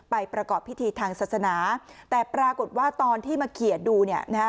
ไปประกอบพิธีทางศาสนาแต่ปรากฏว่าตอนที่มาเขียนดู